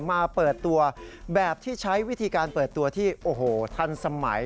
มาเปิดตัวแบบที่ใช้วิธีการเปิดตัวที่โอ้โหทันสมัย